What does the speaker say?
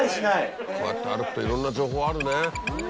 こうやって歩くといろんな情報あるね。